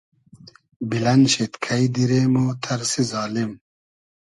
بیلئن شید کݷ دیرې مۉ تئرسی زالیم